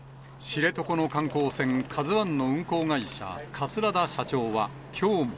知床の観光船、カズワンの運航会社、桂田社長はきょうも。